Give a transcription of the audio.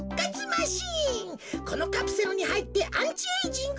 このカプセルにはいってアンチエージング